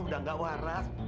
udah enggak waras